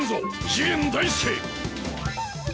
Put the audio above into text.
次元大介。